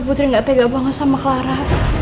putri gak tega banget sama clara